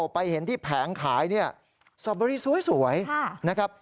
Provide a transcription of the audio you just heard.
ไปเห็นที่แผงขายเนี่ยสอเบอรี่สวยนะครับ